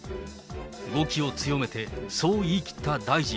語気を強めてそう言い切った大臣。